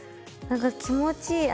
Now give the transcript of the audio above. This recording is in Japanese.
何か気持ちいい